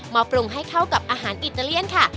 ปรุงให้เข้ากับอาหารอิตาเลียนค่ะ